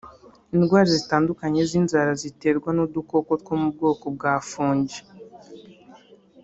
Indwara zitandukanye z’inzara ziterwa n’udukoko two mu bwoko bwa fungi